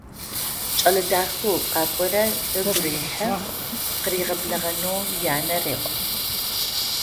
Кӏэлэ дахэу къакӏорэр ыгу рехьы, къыригъэблэгъэнэу янэ реӏо.